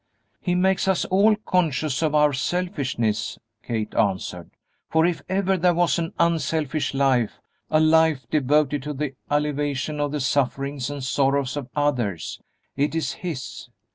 "He makes us all conscious of our selfishness," Kate answered, "for if ever there was an unselfish life, a life devoted to the alleviation of the sufferings and sorrows of others, it is his.